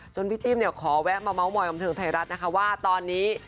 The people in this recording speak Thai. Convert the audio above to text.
จนพี่จิ๊มขอแวะมาเมาะหมอยกำเทิงไทยรัฐนะคะว่าตอนนี้